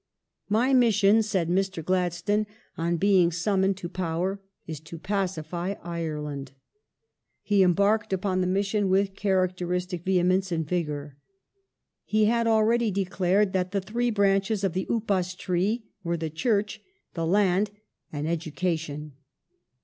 " My mission," said Mr. Gladstone on being summoned to power, The Irish " is to pacify Ireland." He embarked upon the mission with Church characteristic vehemence and vigour. He had already declared that the three branches of the *' upas tree " were the Church, the land, and education.